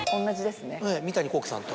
ええ三谷幸喜さんと。